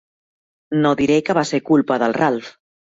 No diré que va ser culpa del Ralf.